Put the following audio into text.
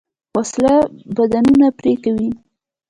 وسله بدنونه پرې کوي